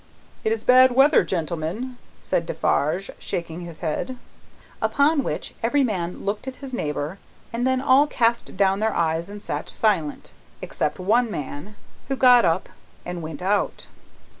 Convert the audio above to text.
"It is bad weather, gentlemen," said Defarge, shaking his head. Upon which, every man looked at his neighbour, and then all cast down their eyes and sat silent. Except one man, who got up and went out.